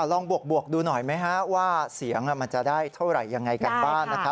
บวกดูหน่อยไหมว่าเสียงมันจะได้เท่าไหร่ยังไงกันบ้างนะครับ